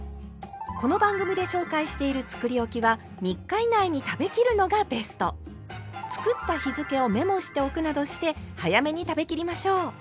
この番組で紹介しているつくりおきは３日以内に食べきるのがベスト。などして早めに食べきりましょう。